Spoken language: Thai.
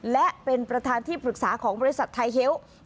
และเป็นประธานที่ปรึกษาของบริษัทไทยเฮล์